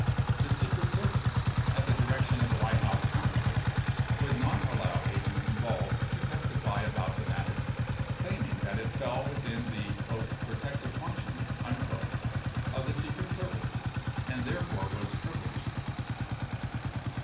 31 The Secret Service, at the direction of the White House counsel, would not allow agents involved to testify about the matter, claiming that it fell with in the "protective function" of the Secret Service and therefore was privileged.